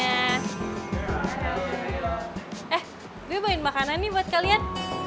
eh gue main makanan nih buat kalian